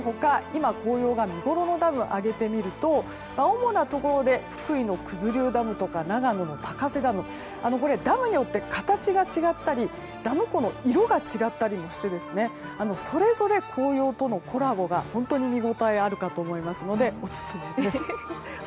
今、紅葉が見ごろのダムを挙げてみると主なところで福井の九頭竜ダムとか長野の高瀬ダムダムによって形が違ったりダム湖の色が違ったりもしてそれぞれ紅葉とのコラボが本当に見ごたえあるかと思いますのでオススメです。